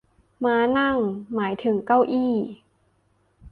ม้านั่ง หมายถึงเก้าอี้